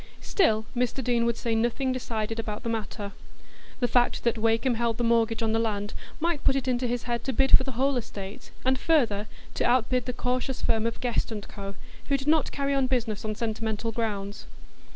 Still, Mr Deane would say nothing decided about the matter; the fact that Wakem held the mortgage on the land might put it into his head to bid for the whole estate, and further, to outbid the cautious firm of Guest & Co., who did not carry on business on sentimental grounds.